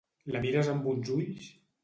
La mires amb uns ulls!